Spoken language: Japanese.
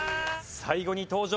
最後に登場。